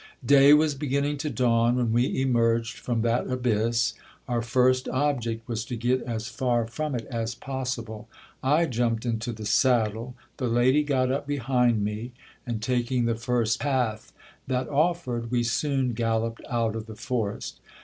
Day was beginning to dawn when we emerged from that abyss. Our first object was to get as far from it as possible. I jumped into the saddle : the lady got up behind me, and taking the first path that offered, we soon gal loped out of the forest.